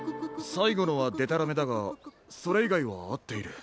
さいごのはでたらめだがそれいがいはあっている。